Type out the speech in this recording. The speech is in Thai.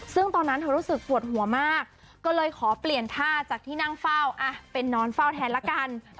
ซึ่งตอนนั้นเธอรู้สึกปวดหัวมากก็เลยขอเปลี่ยนท่าจากที่นั่งเฝ้าเป็นนอนเฝ้าแทนละกัน